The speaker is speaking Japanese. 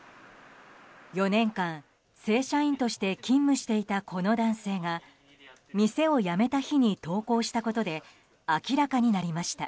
４年間、正社員として勤務していた、この男性が店を辞めた日に投稿したことで明らかになりました。